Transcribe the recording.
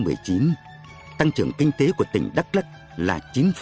tính đến cuối năm hai nghìn một mươi chín tăng trưởng kinh tế của tỉnh đắk lất là chín hai mươi ba